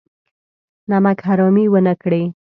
نمک حرامي ونه کړي.